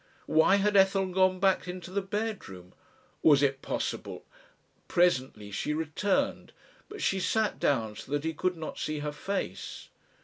Why had Ethel gone back into the bedroom? Was it possible ? Presently she returned, but she sat down so that he could not see her face.